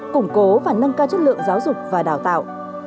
củng cố và nâng cao chất lượng giáo dục và đào tạo